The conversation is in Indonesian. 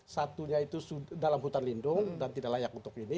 satunya itu dalam hutan lindung dan tidak layak untuk ini